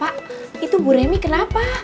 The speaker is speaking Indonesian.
pak itu bu remi kenapa